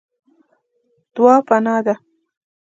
دعا پناه ده.